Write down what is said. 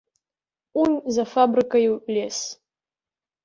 Унь за фабрыкаю лес.